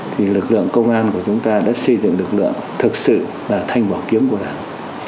thì lực lượng công an của chúng ta đã xây dựng lực lượng thực sự là thanh bảo kiếm của đảng